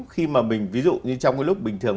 khi mà mình ví dụ như trong cái lúc bình thường